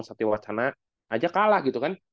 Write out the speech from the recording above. satiwacana aja kalah gitu kan